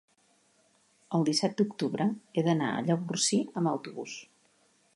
el disset d'octubre he d'anar a Llavorsí amb autobús.